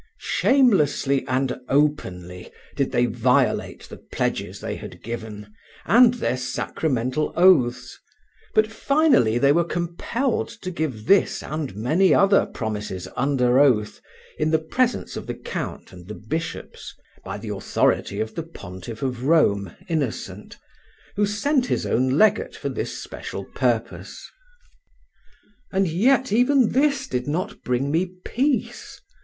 Shamelessly and openly did they violate the pledges they had given and their sacramental oaths, but finally they were compelled to give this and many other promises under oath, in the presence of the count and the bishops, by the authority of the Pontiff of Rome, Innocent, who sent his own legate for this special purpose. And yet even this did not bring me peace.